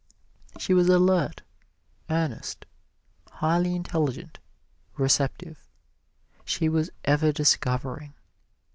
She was alert, earnest, highly intelligent, receptive. She was ever discovering.